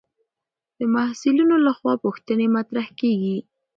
د محصلینو لخوا پوښتنې مطرح کېږي.